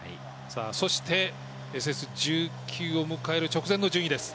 そして、ＳＳ１９を迎える直前の順位です。